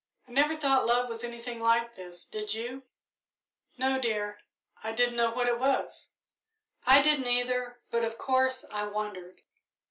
"I never thought love was anything like this, did you?" "No, dear I didn't know what it was." "I didn't, either, but, of course, I wondered.